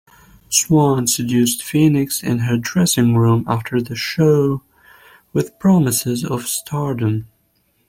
Swan seduces Phoenix in her dressing room after the show with promises of stardom.